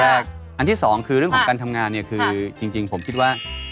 อันที่สองคือเรื่องของการทำงานเนี่ยคือจริงผมคิดว่า